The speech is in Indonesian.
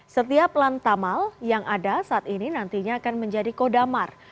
setiap lantamal yang ada saat ini nantinya akan menjadi kodamar